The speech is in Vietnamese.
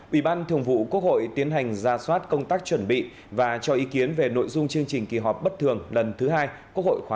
ủy ban thường vụ quốc hội tiến hành ra soát công tác chuẩn bị và cho ý kiến về nội dung chương trình kỳ họp bất thường lần thứ hai quốc hội khóa một mươi bốn